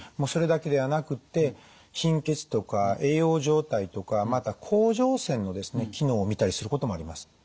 それだけではなくて貧血とか栄養状態とかまた甲状腺の機能を見たりすることもあります。